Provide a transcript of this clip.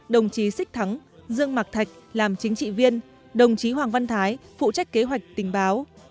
đồng chí sích thắng dương mạc thạch làm chính trị viên đồng chí hoàng văn thái phụ trách kế hoạch tình báo